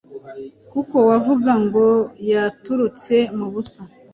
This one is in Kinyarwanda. koko wavuga ngo yaturutse mu busa